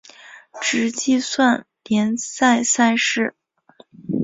只计算联赛赛事。